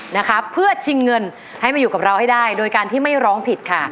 นะคะเพื่อชิงเงินให้มาอยู่กับเราให้ได้โดยการที่ไม่ร้องผิดค่ะ